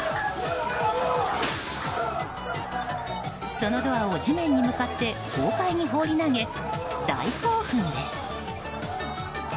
そのドアを地面に向かって豪快に放り投げ、大興奮です。